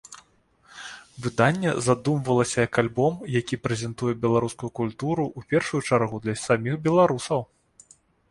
Выданне задумвалася як альбом, які прэзентуе беларускую культуру ў першую чаргу для саміх беларусаў.